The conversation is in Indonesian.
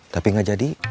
tapi gak jadi